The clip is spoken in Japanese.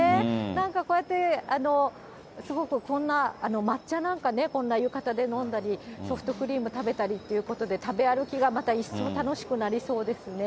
なんかこうやって、すごくこんな抹茶なんかね、こんな浴衣で飲んだり、ソフトクリーム食べたりということで、食べ歩きがまた一層楽しくなりそうですね。